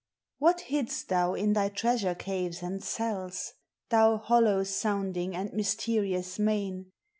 What hid'st thou in thy treasure caves and cells? Thou hollow sounding and mysterious main!